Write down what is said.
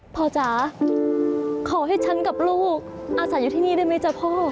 จ๋าขอให้ฉันกับลูกอาศัยอยู่ที่นี่ได้ไหมจ๊ะพ่อ